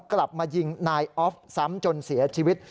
กลับมายิงนายออฟซ้ำจนเสียชีวิต